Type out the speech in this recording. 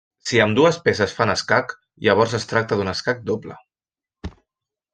Si ambdues peces fan escac, llavors es tracta d'un escac doble.